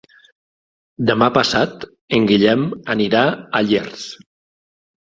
Demà passat en Guillem anirà a Llers.